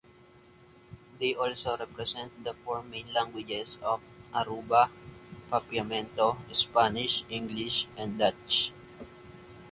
They also represent the four main languages of Aruba: Papiamento, Spanish, English, and Dutch.